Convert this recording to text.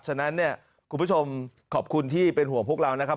ฉะนั้นเนี่ยคุณผู้ชมขอบคุณที่เป็นห่วงพวกเรานะครับ